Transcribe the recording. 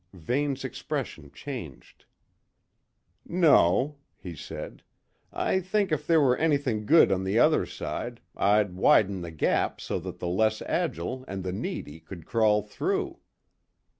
Vane's expression changed. "No," he said. "I think if there were anything good on the other side, I'd widen the gap so that the less agile and the needy could crawl through."